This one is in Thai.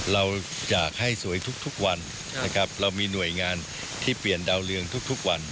เราอยากให้สวยทุกวันนะครับเรามีหน่วยงานที่เปลี่ยนดาวเรืองทุกวัน